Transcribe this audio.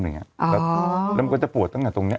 แล้วมันก็จะปวดตั้งแต่ตรงนี้